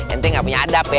ente gak punya adab ya